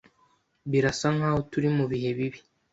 Birasa nkaho turi mubihe bibi.